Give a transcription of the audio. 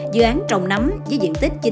dự án trồng nấm với diện tích